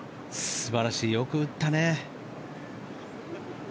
素晴らしいよく打ったね。